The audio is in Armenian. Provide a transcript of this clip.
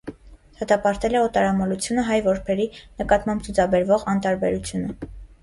Դատապարտել է օտարամոլությունը, հայ որբերի նկատմամբ ցուցաբերվող անտարբերությունը։